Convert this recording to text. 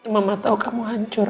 mama tahu kamu hancur